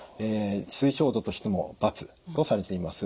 推奨度としても×とされています。